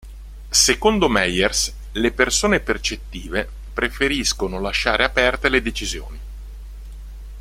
Secondo Myers, le persone percettive preferiscono "lasciare aperte le decisioni".